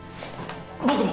僕も。